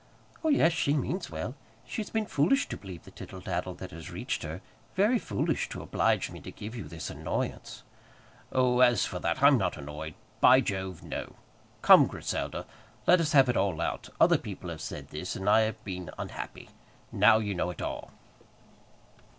"Oh, yes, she means well. She has been foolish to believe the tittle tattle that has reached her, very foolish to oblige me to give you this annoyance." "Oh, as for that, I'm not annoyed. By Jove, no. Come, Griselda, let us have it all out; other people have said this, and I have been unhappy. Now, you know it all."